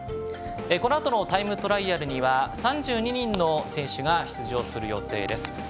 このあとのタイムトライアルには３２人の選手が出場予定です。